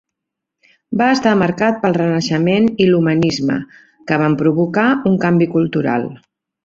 Va estar marcat pel Renaixement i l'humanisme, que van provocar un canvi cultural.